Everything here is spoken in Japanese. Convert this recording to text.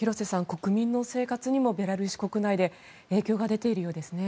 国民の生活にもベラルーシ国内で影響が出ているようですね。